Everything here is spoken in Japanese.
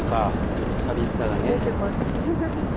ちょっと寂しさがね。